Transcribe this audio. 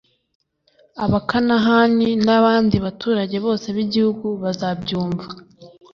abakanahani n’abandi baturage bose b’igihugu bazabyumva.